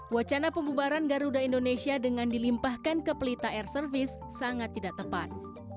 wacana pembubaran garuda indonesia dengan dilimpahkan ke pelita air service sangat tidak tepat